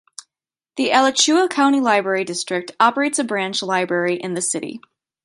The Alachua County Library District operates a branch library in the city.